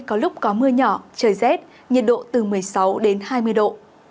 có lúc có mưa nhỏ trời rét nhiệt độ từ một mươi sáu đến hai mươi độ